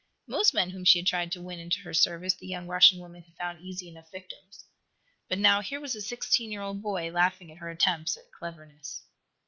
Most men whom she had tried to win into her service the young Russian woman had found easy enough victims. But now, here was a sixteen year old boy laughing at her attempts at "cleverness."